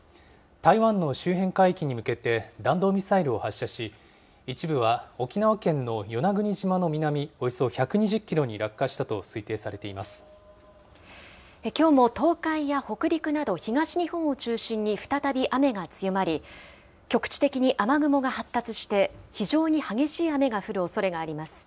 台湾の周辺海域に向けて、弾道ミサイルを発射し、一部は沖縄県の与那国島の南およそ１２０キロに落下したと推定さきょうも東海や北陸など、東日本を中心に再び雨が強まり、局地的に雨雲が発達して、非常に激しい雨が降るおそれがあります。